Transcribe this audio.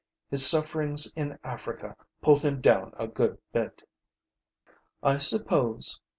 His sufferings in Africa pulled him down a good bit." "I suppose.